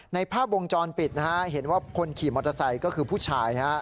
ภาพวงจรปิดนะฮะเห็นว่าคนขี่มอเตอร์ไซค์ก็คือผู้ชาย